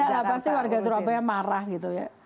ya pasti warga surabaya marah gitu ya